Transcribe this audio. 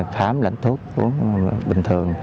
khám lãnh thuốc bình thường